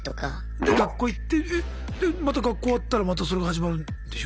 で学校行ってえっでまた学校終わったらまたそれが始まるんでしょ？